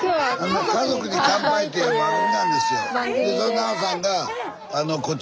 「家族に乾杯」っていう番組なんですよ。